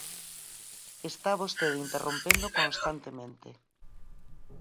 Está vostede interrompendo constantemente.